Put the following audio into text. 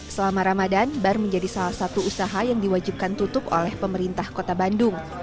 selama ramadan bar menjadi salah satu usaha yang diwajibkan tutup oleh pemerintah kota bandung